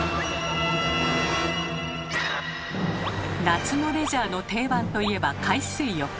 夏のレジャーの定番といえば海水浴。